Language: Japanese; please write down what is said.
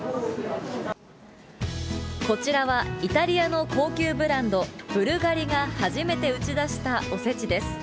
こちらはイタリアの高級ブランド、ブルガリが初めて打ち出したおせちです。